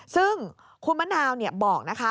ซึ่งคุณมะนาวบอกนะคะ